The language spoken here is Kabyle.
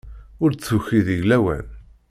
Ur d-tuki deg lawan.